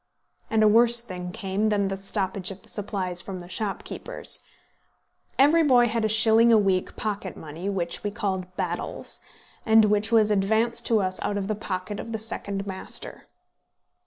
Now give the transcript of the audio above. And a worse thing came than the stoppage of the supplies from the shopkeepers. Every boy had a shilling a week pocket money, which we called battels, and which was advanced to us out of the pocket of the second master.